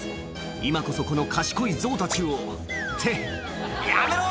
「今こそこの賢いゾウたちを」「ってやめろ！